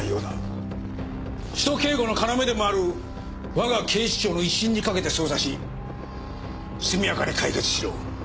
首都警護の要でもある我が警視庁の威信にかけて捜査し速やかに解決しろ。